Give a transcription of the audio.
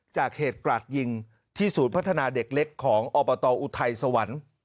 จากเหตุกราดยิงที่ศูนย์พัฒนาเด็กเล็กของอบตอุทัยสวรรค์